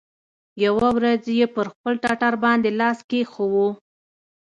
يوه ورځ يې پر خپل ټټر باندې لاس کښېښوو.